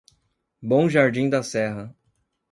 Bom Jardim da Serra